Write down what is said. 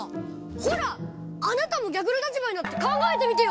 ほらあなたも逆の立場になってかんがえてみてよ！